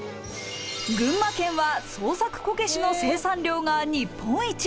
群馬県は、創作こけしの生産量が日本一。